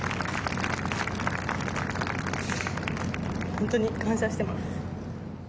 本当に感謝しています。